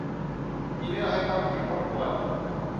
มีเรื่องให้ต้องคิดทบทวน